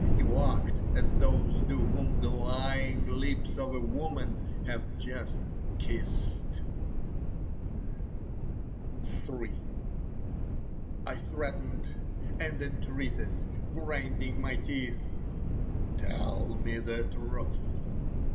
He walked, as those do, whom the lying lips of a woman have just kissed. III I threatened and entreated, grinding my teeth: "Tell me the truth!"